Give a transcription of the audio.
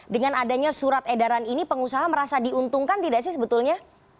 dengan adanya surat edaran ini pengusaha merasa diuntungkan tidak sih sebetulnya